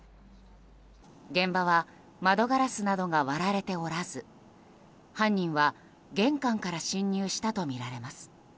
現場は窓ガラスなどが割られておらず犯人は玄関から侵入したとみられます。